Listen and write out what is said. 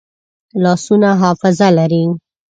لاسونه حافظه لري